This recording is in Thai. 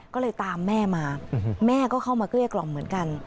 ก็เลยตามแม่มาแม่ก็เข้ามาเกลี้ยกล่อมเหมือนกัน